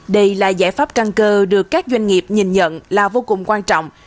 đây là giải pháp căng cơ được các doanh nghiệp nhìn nhận là vô cùng quan trọng